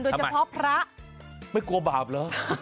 โดยเฉพาะพระทำไมไม่กลัวบาปเหรอ